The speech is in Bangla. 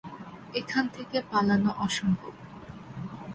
এখান থেকে পালানো অসম্ভব।